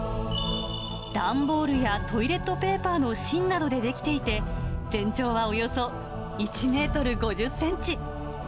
段ボールやトイレットペーパーの芯などで出来ていて、全長はおよそ１メートル５０センチ。